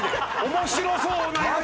面白そうなやつ！